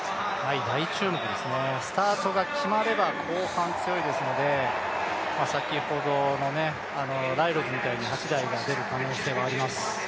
大注目ですね、スタートが決まれば後半、強いですので先ほどのライルズみたいに８台が出る可能性もあります。